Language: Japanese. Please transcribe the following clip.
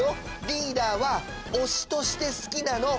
リーダーは推しとして好きなの！